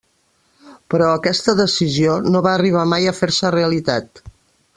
Però aquesta decisió no va arribar mai a fer-se realitat.